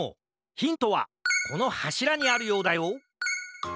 ヒントはこのはしらにあるようだよ